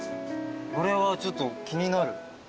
これはちょっと気になる。